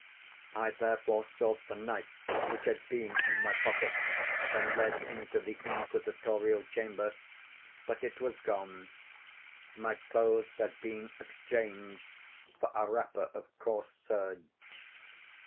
I therefore sought the knife which had been in my pocket, when led into the inquisitorial chamber; but it was gone; my clothes had been exchanged for a wrapper of coarse serge.